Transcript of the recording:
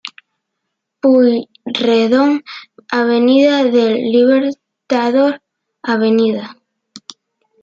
Pueyrredón, Avenida del Libertador, Av.